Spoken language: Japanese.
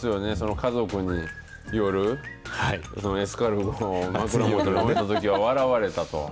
家族に夜、エスカルゴを枕元に置いたときは笑われたと。